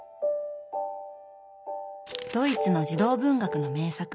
ドイツの児童文学の名作